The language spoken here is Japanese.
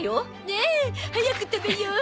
ねえ早く食べよう！